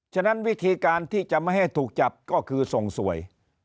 ฉะนั้นวิธีการที่จะไม่ให้ถูกจับก็คือส่งสวย